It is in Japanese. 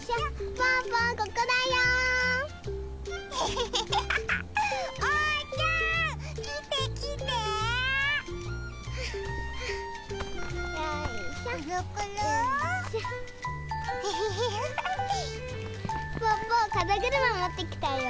ぽぅぽかざぐるまもってきたよ。